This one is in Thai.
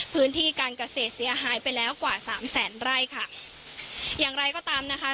พื้นที่การเกษตรเสียหายไปแล้วกว่าสามแสนไร่ค่ะอย่างไรก็ตามนะคะ